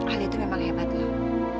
ah itu memang hebat loh